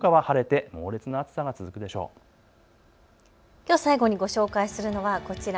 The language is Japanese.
きょう最後にご紹介するのはこちら。